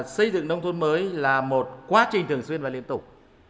xây dựng nông thôn mới là một quá trình thường xuyên và liên tục